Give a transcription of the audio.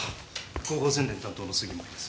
広報宣伝担当の杉森です。